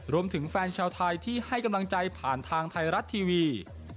รวมถึงแฟนชาวไทยที่ให้กำลังใจผ่านทางไทยรัฐทีวี